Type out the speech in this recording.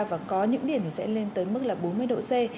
và có những điểm sẽ lên tới mức là bốn mươi độ c